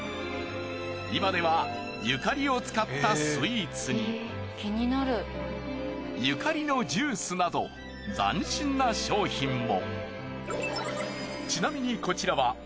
今ではゆかりを使ったスイーツにゆかりのジュースなど斬新な商品も。